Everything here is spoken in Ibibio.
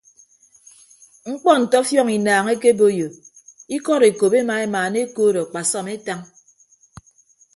Mkpọ nte ọfiọñ inaañ ekeboiyo ikọd ekop ema emaana ekood akpasọm etañ.